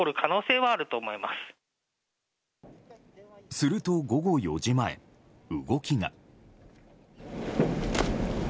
すると午後４時前、動きが。